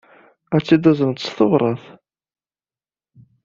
Ad t-id-tazneḍ s tebṛat?